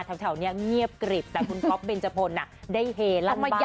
แถวแถวเนี้ยเงียบกรีบแต่คุณก๊อฟเบนเจ้าโฟนน่ะได้เฮลั่งบ้างเลยจ้ะ